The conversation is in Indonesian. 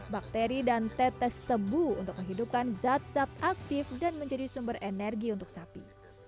bakteri dan tetes tebu untuk menghidupkan zat zat aktif dan menjadi sumber energi untuk sapi